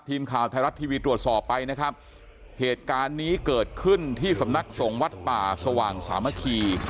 ทีมข่าวไทยรัฐทีวีตรวจสอบไปนะครับเหตุการณ์นี้เกิดขึ้นที่สำนักสงฆ์วัดป่าสว่างสามัคคี